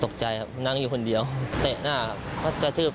ตกใจครับนั่งอยู่คนเดียวเตะหน้าเขากระทืบ